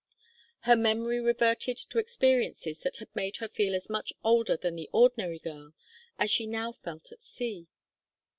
Her memory reverted to experiences that had made her feel as much older than the ordinary girl as she now felt at sea.